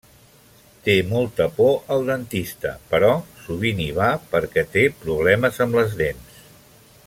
Té molta por al dentista però sovint hi va perquè té problemes amb les dents.